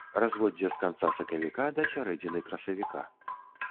Разводдзе з канца сакавіка да сярэдзіны красавіка.